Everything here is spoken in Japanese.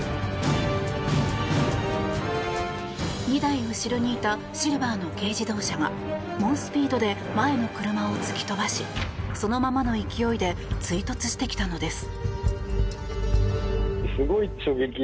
２台後ろにいたシルバーの軽自動車が猛スピードで前の車を突き飛ばしそのままの勢いで追突してきたのです。